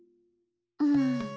うん。